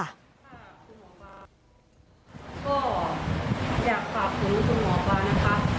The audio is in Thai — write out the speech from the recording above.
ถ้าคุณหมอปลาก็อยากฝากคุณหมอปลานะคะ